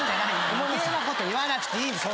余計なこと言わなくていい。